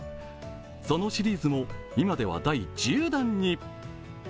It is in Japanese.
そのシリーズも今では第１０弾に。